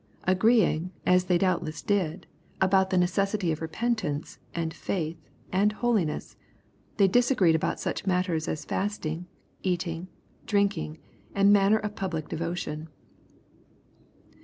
Agreeing, as they doubt less did, about the necessity of repentance, and faith, and holiness, they disagreed about such matters as fast ing, eating, drinking, and manner of pubUc devotion.